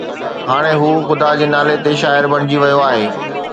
هاڻي هو خدا جي نالي تي شاعر بڻجي ويو آهي